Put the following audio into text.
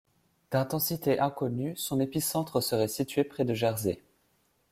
D'intensité inconnue, son épicentre serait situé près de Jersey.